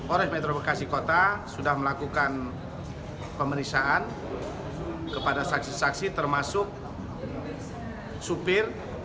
orang metropokasi kota sudah melakukan pemeriksaan kepada saksi saksi termasuk supir